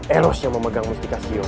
elos yang memegang mustica sion